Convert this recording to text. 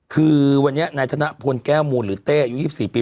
คือวันนี้นายธนพลแก้วมูลหรือเต้อายุ๒๔ปี